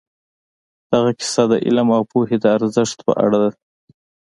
دغه کیسه د علم او پوهې د ارزښت په اړه ده.